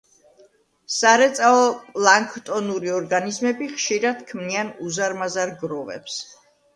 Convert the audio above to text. სარეწაო პლანქტონური ორგანიზმები ხშირად ქმნიან უზარმაზარ გროვებს.